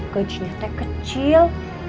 gajinya teh kecil